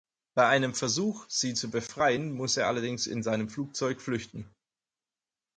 Bei einem Versuch, sie zu befreien, muss er allerdings in seinem Flugzeug flüchten.